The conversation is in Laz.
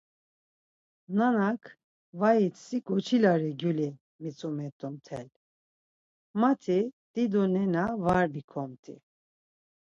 Nanak Vait si goçilare gyuli mitzumet̆tu mtel. Mati dido nena var bikomti.